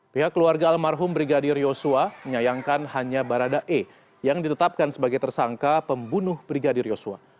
pihak keluarga almarhum brigadir yosua menyayangkan hanya barada e yang ditetapkan sebagai tersangka pembunuh brigadir yosua